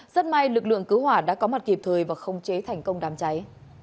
rất may lực lượng cứu hỏa đã có mặt kịp thời và không chế thành công đám cháy